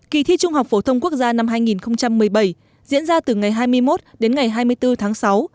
kỳ thi trung học phổ thông quốc gia năm hai nghìn một mươi bảy diễn ra từ ngày hai mươi một đến ngày hai mươi bốn tháng sáu